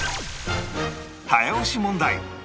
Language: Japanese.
早押し問題